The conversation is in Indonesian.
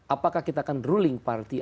apakah kita akan ruling party